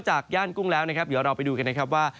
ย่านกุ้งแล้วนะครับเดี๋ยวเราไปดูกันนะครับว่า